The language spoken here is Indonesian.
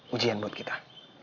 ujian buat kita